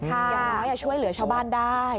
อย่างน้อยช่วยเหลือชาวบ้านได้